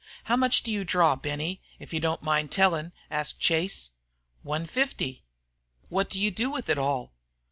"How much do you draw, Benny, if you don't mind telling?" asked Chase. "One fifty." "What do you do with it all?"